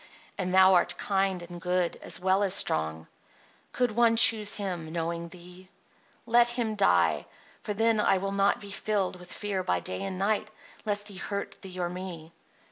And thou art kind and good, as well as strong. Could one choose him, knowing thee? Let him die; for then I will not be filled with fear by day and night lest he hurt thee or me."